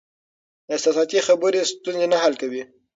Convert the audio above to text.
احساساتي خبرې ستونزې نه حل کوي.